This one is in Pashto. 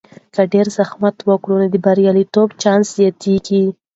که ډیر زحمت وکړو، نو د بریالیتوب چانس زیاتیږي.